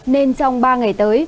nên trong ba ngày tới